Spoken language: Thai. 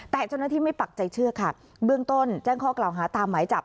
แต่เจ้าหน้าที่ไม่ปักใจเชื่อค่ะเบื้องต้นแจ้งข้อกล่าวหาตามหมายจับ